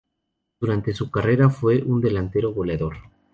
Durante su carrera fue un delantero goleador.